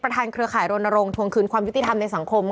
เครือข่ายรณรงค์ทวงคืนความยุติธรรมในสังคม